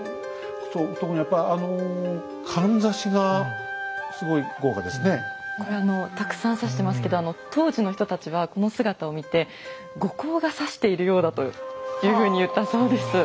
特にやっぱあのこれたくさん挿してますけど当時の人たちはこの姿を見て後光がさしているようだというふうに言ったそうです。